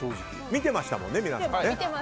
見てましたもんね、皆さん。